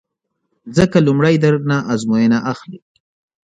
ځکه لومړی در نه ازموینه اخلي